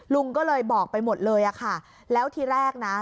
ลุงก็เลยบอกไปหมดเลยอะค่ะแล้วทีแรกนะ